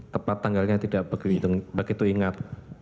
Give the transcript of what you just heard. tepat tanggalnya tidak begitu ingat